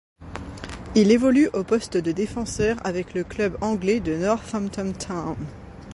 Il évolue au poste de défenseur avec le club anglais de Northampton Town.